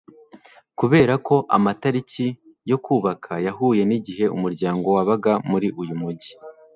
kubera ko amatariki yo kubaka yahuye n'igihe umuryango wabaga muri uyu mujyi